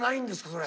それ。